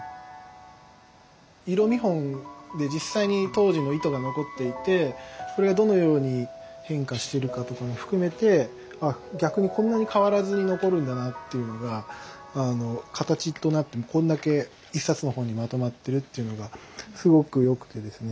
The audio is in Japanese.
色見本で実際に当時の糸が残っていてそれがどのように変化してるかとかも含めてあ逆にこんなに変わらずに残るんだなっていうのが形となってこんだけ１冊の本にまとまってるっていうのがすごく良くてですね。